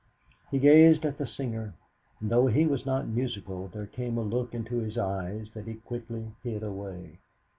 He gazed at the singer, and though he was not musical, there came a look into his eyes that he quickly hid away.